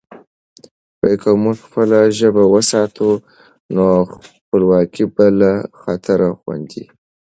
که موږ خپله ژبه وساتو، نو خپلواکي به له خطره خوندي وي.